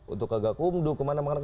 untuk ke gakumdu ke mana mana